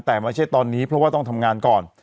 แต่ไม่ใช่ตอนนี้เพราะว่าต้องทำงานก่อน